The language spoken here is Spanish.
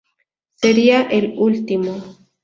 Sería el último.